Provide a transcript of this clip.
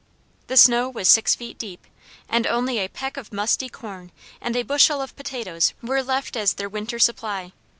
The snow was six feet deep, and only a peck of musty corn and a bushel of potatoes were left as their winter supply.